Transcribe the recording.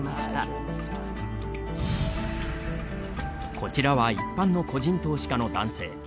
こちらは一般の個人投資家の男性。